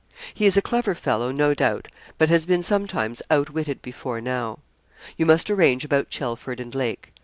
He is a clever fellow, no doubt, but has been sometimes out witted before now. You must arrange about Chelford and Lake.